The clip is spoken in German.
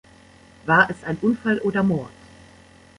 War es ein Unfall oder Mord?